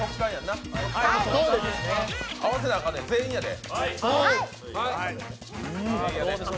合わせなあかんで、全員やで。